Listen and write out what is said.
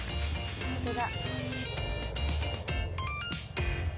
本当だ。